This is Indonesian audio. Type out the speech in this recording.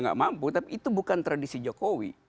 nggak mampu tapi itu bukan tradisi jokowi